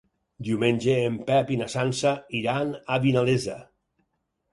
Diumenge en Pep i na Sança iran a Vinalesa.